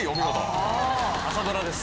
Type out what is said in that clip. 朝ドラです。